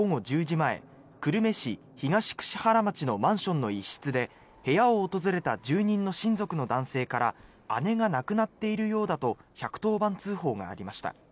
前久留米市東櫛原町のマンションの一室で部屋を訪れた住人の親族の男性から姉が亡くなっているようだと１１０番通報がありました。